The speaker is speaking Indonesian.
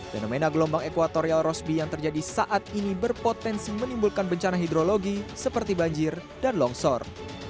fenomena gelombang ekuatorial rosbi yang terjadi saat ini berpotensi menimbulkan bencana hidrologi seperti banjir dan longsor